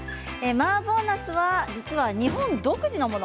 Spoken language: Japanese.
マーボーなすは実は日本独自のもの。